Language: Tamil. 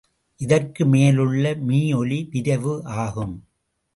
இதற்கு மேலுள்ள மீஒலி விரைவு ஆகும்.